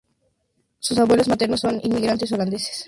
Sus abuelos maternos son inmigrantes holandeses.